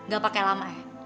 gak pake lama